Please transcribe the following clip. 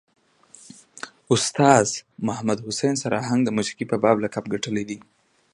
استاذ محمد حسین سر آهنګ د موسیقي بابا لقب ګټلی دی.